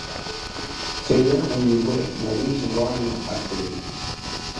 Tweya wive maliji wano anapema.